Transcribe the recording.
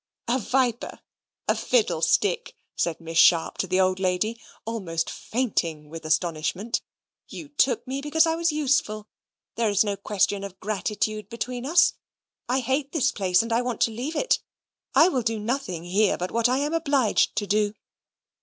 "A viper a fiddlestick," said Miss Sharp to the old lady, almost fainting with astonishment. "You took me because I was useful. There is no question of gratitude between us. I hate this place, and want to leave it. I will do nothing here but what I am obliged to do."